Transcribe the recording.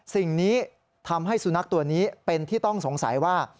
สิ่งนี้ทำให้สุนัขตัวนี้เป็นที่ต้องสงสัยว่า